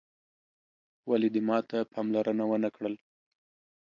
ولي دې ماته پاملرنه وه نه کړل